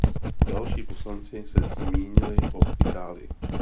Další poslanci se zmínili o Itálii.